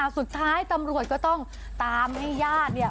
สุดท้ายตำรวจก็ต้องตามให้ญาติเนี่ย